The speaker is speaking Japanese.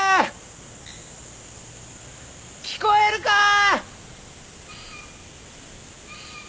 聞こえるかー！？